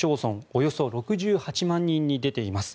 およそ６８万人に出ています。